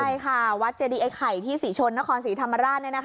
ใช่ค่ะวัดเจดีไอ้ไข่ที่ศรีชนนครศรีธรรมราช